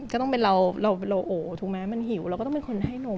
ก็ต้องเป็นเราเราโอถูกไหมมันหิวเราก็ต้องเป็นคนให้นม